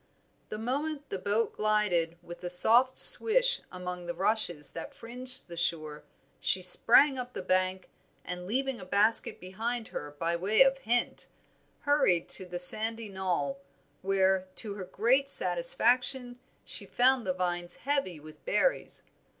The moment the boat glided with a soft swish among the rushes that fringed the shore, she sprang up the bank, and leaving a basket behind her by way of hint, hurried to the sandy knoll, where, to her great satisfaction, she found the vines heavy with berries.